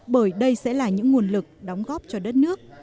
bởi đây sẽ là những nguồn lực đóng góp cho đất nước